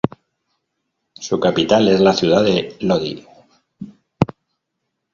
Su capital es la ciudad de Lodi.